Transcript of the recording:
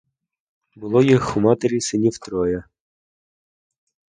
Було у матері їх, синів, троє.